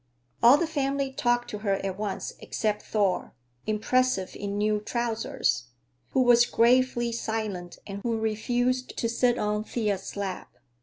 All the family talked to her at once, except Thor,—impressive in new trousers,—who was gravely silent and who refused to sit on Thea's lap.